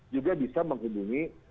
juga bisa menghubungi